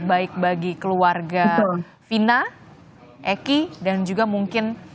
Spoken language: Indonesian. baik bagi keluarga fina eki dan juga mungkin